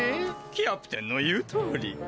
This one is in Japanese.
キャプテンの言うとおり！